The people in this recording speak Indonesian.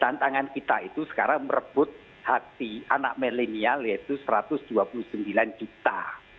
tantangan kita itu sekarang merebut hati anak milenial yaitu satu ratus dua puluh sembilan juta